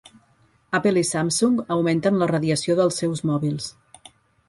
Apple i Samsung augmenten la radiació dels seus mòbils